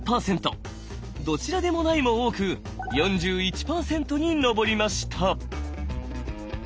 「どちらでもない」も多く４１％に上りました。